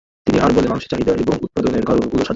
তিনি আর বলেন মানুষের চাহিদা এবং উৎপাদনের কারণ গুল স্বাধীন।